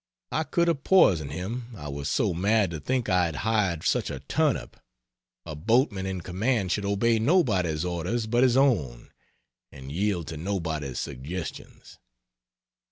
I could have poisoned him I was so mad to think I had hired such a turnip. A boatman in command should obey nobody's orders but his own, and yield to nobody's suggestions.